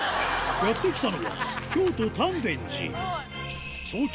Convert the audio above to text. やって来たのは創建